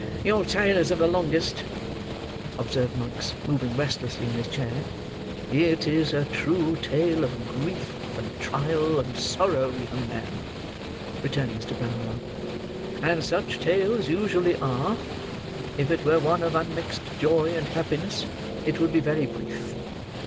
"Your tale is of the longest," observed Monks, moving restlessly in his chair. "It is a true tale of grief and trial, and sorrow, young man," returned Mr. Brownlow, "and such tales usually are; if it were one of unmixed joy and happiness, it would be very brief.